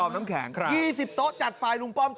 สมัยไม่เรียกหวังผม